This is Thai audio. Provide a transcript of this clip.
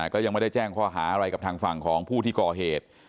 ก็ยังไม่ได้แจ้งข้อหาอะไรกับทางฝั่งของผู้ที่ก่อเหตุ